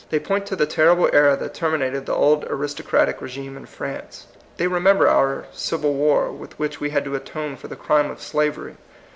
They point to the terrible era that terminated the old aristo cratic rSgime in France. They remember our Civil War, with which we had to atone for the crime of slavery.